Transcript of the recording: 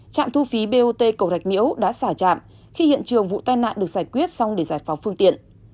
trạm thu phí bot cầu rạch miễu đã xả trạm khi hiện trường vụ tai nạn được giải quyết xong để giải phóng phương tiện